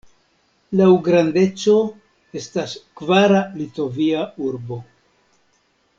Laŭ grandeco estas kvara Litovia urbo.